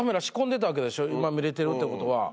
今見れてるってことは。